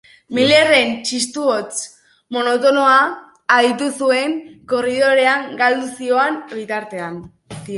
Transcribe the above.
Millerren txistu hots monotonoa aditu zuen korridorean galduz zihoan bitartean.